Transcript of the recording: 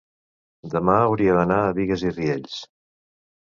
demà hauria d'anar a Bigues i Riells.